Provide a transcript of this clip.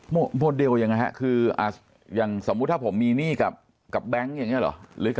หมดเดียวก็ยังไงครับคือสมมติถ้าผมมีหนี้กับแบงก์อย่างนี้หรือ